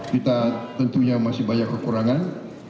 kita tentunya masih banyak kekurangan